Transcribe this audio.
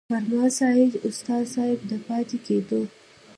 فرمان ساجد استاذ صېب د پاتې کېدو